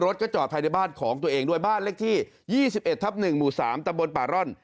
รถก็จอดภายในบ้านของตัวเองด้วยบ้านเลขที่๒๑ทับ๑หมู่๓ตำบลป่าร่อน